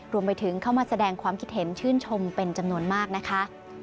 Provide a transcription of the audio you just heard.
รวมไปถึงเข้ามาแสดงความคิดเห็นชื่นชมเป็นจำนวนมากนะคะ